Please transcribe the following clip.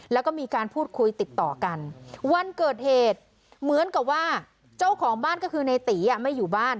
แล้วก็มีการพูดคุยติดต่อกันวันเกิดเหตุเหมือนกับว่าเจ้าของบ้านก็คือในตีไม่อยู่บ้าน